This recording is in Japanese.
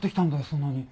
そんなに。